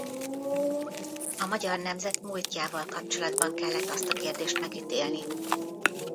A magyar nemzet múltjával kapcsolatban kellett azt a kérdést megítélni.